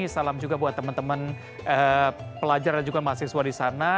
salam juga buat teman teman pelajar dan juga mahasiswa di sana